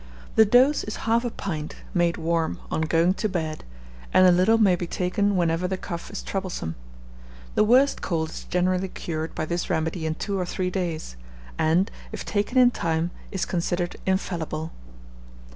The dose is half a pint, made warm, on going to bed; and a little may be taken whenever the cough is troublesome. The worst cold is generally cured by this remedy in two or three days; and, if taken in time, is considered infallible.